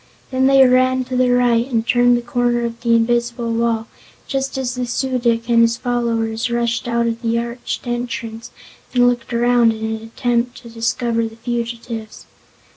Then they ran to the right and turned the corner of the invisible wall just as the Su dic and his followers rushed out of the arched entrance and looked around in an attempt to discover the fugitives.